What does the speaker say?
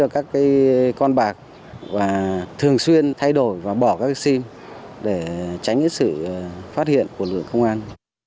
con bạc và thường xuyên thay đổi và bỏ các sim để tránh những sự phát hiện của lực lượng công an